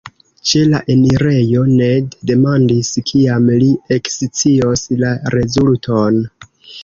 Ĉe la enirejo, Ned demandis kiam li ekscios la rezulton.